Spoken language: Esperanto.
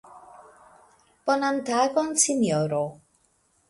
Bonan tagon sinjoro!